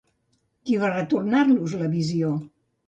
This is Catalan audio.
Qui va retornar-los la visió?